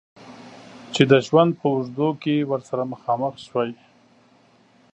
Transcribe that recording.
چې د ژوند په اوږدو کې ورسره مخامخ شوی.